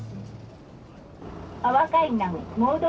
「阿波海南モード